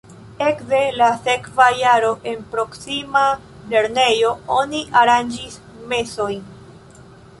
Ekde la sekva jaro en proksima lernejo oni aranĝis mesojn.